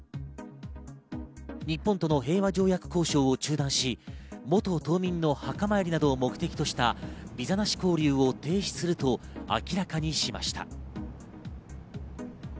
日本との平和条約交渉を中断し、元島民の墓参りなどを目的としたビザなし交流を停止すると明らかにしました。